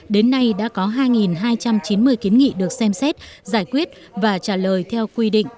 đến nay đã có hai hai trăm chín mươi kiến nghị được xem xét giải quyết và trả lời theo quy định